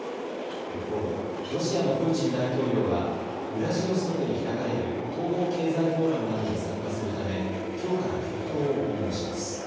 一方、ロシアのプーチン大統領はウラジオストクで開かれる東方経済フォーラムなどに参加するためきょうから極東を訪問します。